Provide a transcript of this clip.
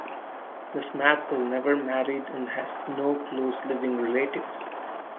Miss Marple never married and has no close living relatives.